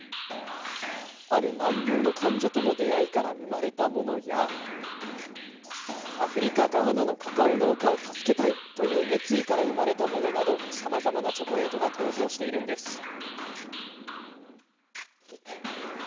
ある難病の患者との出会いから生まれたものやアフリカ、ガーナのカカオ農家を助けたいという熱意から生まれたものなどさまざまなチョコレートが登場しているんです。